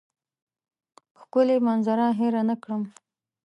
ښکلې منظره هېره نه کړم.